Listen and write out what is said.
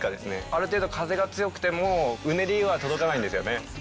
ある程度風が強くても、うねりは届かないんですよね。